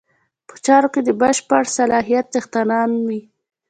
په چارو کې د بشپړ صلاحیت څښتنان وي.